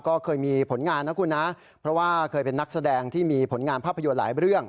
ก็เคยมีผลงานนะคุณนะเพราะว่าเคยเป็นนักแสดงที่มีผลงานภาพยนตร์หลายเรื่อง